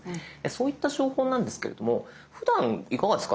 そういった情報なんですけれどもふだんいかがですか？